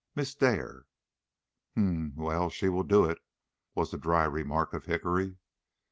Miss Dare." "Hem! Well, she will do it," was the dry remark of Hickory.